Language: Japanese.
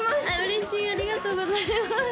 嬉しいありがとうございます